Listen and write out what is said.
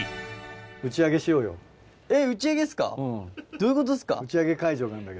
どういうことっすか？